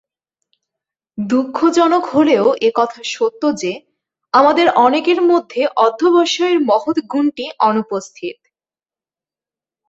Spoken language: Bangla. দুঃখজনক হলেও এ কথা সত্য যে, আমাদের অনেকের মধ্যে অধ্যবসায়ের মহৎ গুণটি অনুপস্থিত।